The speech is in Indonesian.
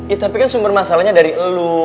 iya tapi kan sumber masalahnya dari elu